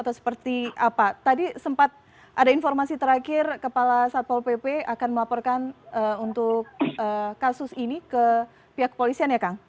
tadi sempat ada informasi terakhir kepala satpol pp akan melaporkan untuk kasus ini ke pihak polisian ya kang